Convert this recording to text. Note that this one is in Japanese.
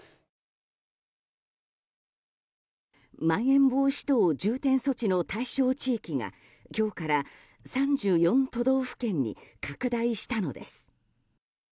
まん延防止等重点措置の対象地域が今日から３４都道府県に拡大したのです。